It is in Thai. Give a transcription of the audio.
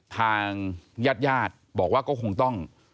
ทางญาติญาติบอกว่าก็คงต้อง